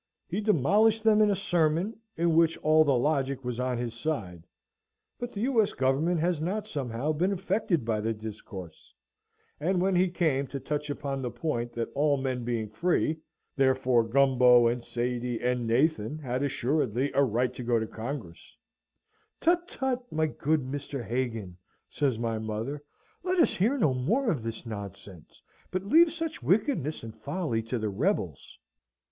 He demolished them in a sermon, in which all the logic was on his side, but the U.S. Government has not, somehow, been affected by the discourse; and when he came to touch upon the point that all men being free, therefore Gumbo and Sady, and Nathan, had assuredly a right to go to Congress: "Tut, tut! my good Mr. Hagan," says my mother, "let us hear no more of this nonsense; but leave such wickedness and folly to the rebels!"